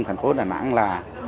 thành phố đà nẵng là